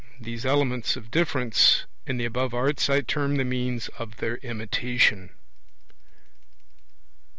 These elements of difference in the above arts I term the means of their imitation.